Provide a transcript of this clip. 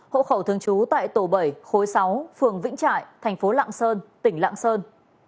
phương vĩnh trại thành phố lạng sơn tỉnh lạng sơn